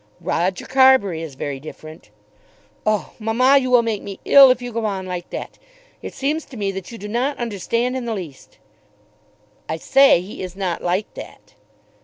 "Roger Carbury is very different." "Oh, mamma, you will make me ill if you go on like that. It seems to me that you do not understand in the least." "I say he is not like that."